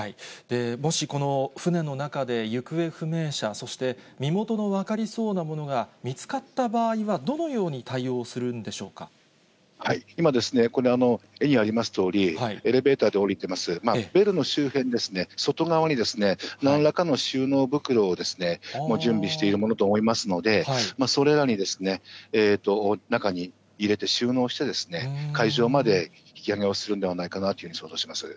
もしこの船の中で行方不明者、そして身元の分かりそうなものが見つかった場合は、どのように対今ですね、絵にありますとおり、エレベーターで降りてます、ベルの周辺ですね、外側にですね、なんらかの収納袋を準備しているものと思いますので、それらの中に入れて収納してですね、海上まで引き揚げをするんではないかというふうに思います。